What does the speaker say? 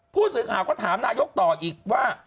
ผู้สื่อข่าวก็ถามนายกต่ออีกว่า